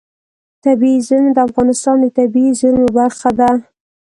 طبیعي زیرمې د افغانستان د طبیعي زیرمو برخه ده.